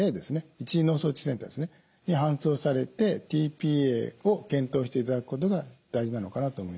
一次脳卒中センターに搬送されてｔ−ＰＡを検討していただくことが大事なのかなと思います。